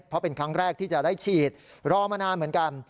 เพราะเป็นครั้งแรกที่จะได้ฉีดรอมานานเหมือนกัน